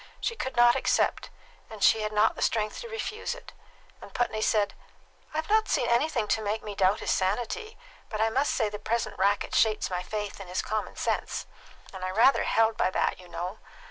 She could not accept, and she had not the strength to refuse it; and Putney said: "I've not seen anything to make me doubt his sanity; but I must say the present racket shakes my faith in his common sense, and I rather held by that, you know.